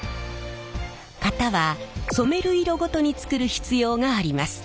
型は染める色ごとに作る必要があります。